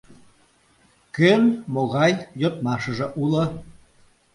— Кӧн могай йодмашыже уло?